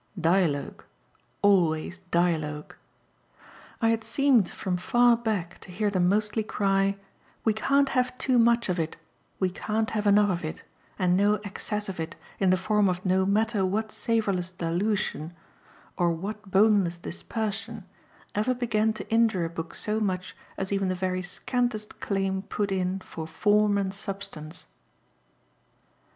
"'Dialogue,' always 'dialogue'!" I had seemed from far back to hear them mostly cry: "We can't have too much of it, we can't have enough of it, and no excess of it, in the form of no matter what savourless dilution, or what boneless dispersion, ever began to injure a book so much as even the very scantest claim put in for form and substance."